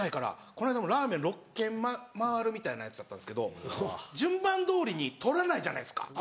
この間もラーメン６軒回るみたいなやつやったんですけど順番どおりに撮らないじゃないですか。